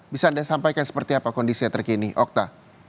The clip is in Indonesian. bisa anda sampaikan seperti apa kondisinya terkini okta